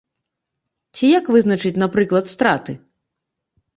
Ці як вызначыць, напрыклад, страты?